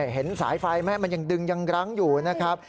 เห็นสายไฟไหมมันยังดึงยังรั้งอยู่นะครับ